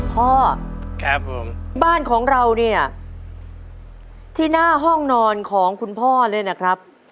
พ่อครับผมบ้านของเราเนี่ยที่หน้าห้องนอนของคุณพ่อเลยนะครับ